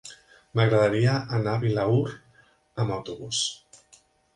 M'agradaria anar a Vilaür amb autobús.